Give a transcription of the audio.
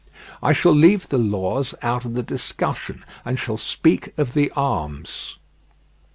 I shall leave the laws out of the discussion and shall speak of the arms.